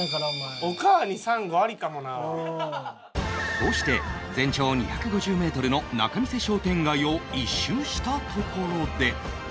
こうして全長２５０メートルの仲見世商店街を１周したところで